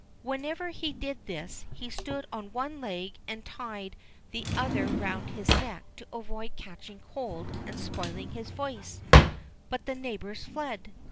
Whenever he did this, he stood on one leg and tied the other round his neck to avoid catching cold and spoiling his voice, but the neighbors fled.